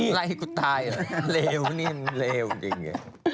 ไล่ให้กูตายเหรอเลวนี่เลวจริง